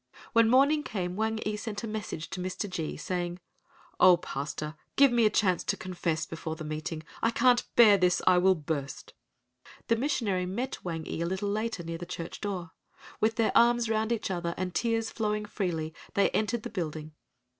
When morning came Wang ee sent a message to Mr. G——, saying, "Oh, Pastor, give me a chance to confess before the meeting, I can't bear this, I will burst." The missionary met Wang ee a little later near the church door. With their arms around each other, and tears flowing freely they entered the building.